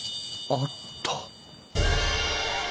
あった！